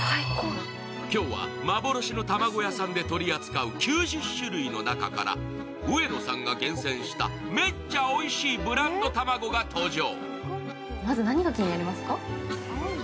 今日は、幻の卵屋さんで取り扱う９０種類の中から上野さんが厳選しためっちゃおいしいブランド卵が登場。